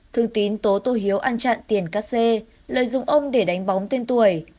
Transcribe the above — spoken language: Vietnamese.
thường tín tố tô hiếu ăn chặn tiền cắt xê lợi dụng ông để đánh bóng tên tuổi